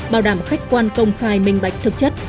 bảo đảm khách quan công khai minh bạch thực chất